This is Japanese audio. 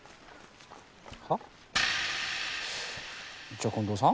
じゃあ近藤さん？